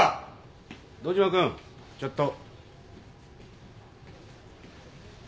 堂島君ちょっと。